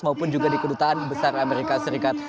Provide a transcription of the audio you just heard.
maupun juga di kedutaan besar amerika serikat